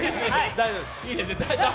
大丈夫です！